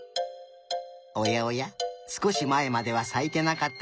おやおやすこしまえまではさいてなかったのに。